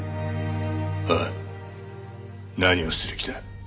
おい何をする気だ？